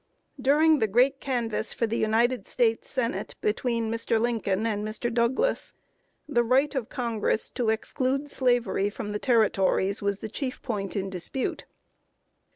During the great canvass for the United States Senate, between Mr. Lincoln and Mr. Douglas, the right of Congress to exclude Slavery from the Territories was the chief point in dispute.